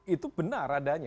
itu benar adanya